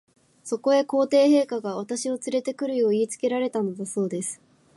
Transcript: そこへ、皇帝陛下が、私をつれて来るよう言いつけられたのだそうです。